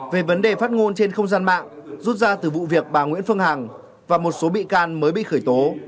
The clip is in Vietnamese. về vấn đề phát ngôn trên không gian mạng rút ra từ vụ việc bà nguyễn phương hằng và một số bị can mới bị khởi tố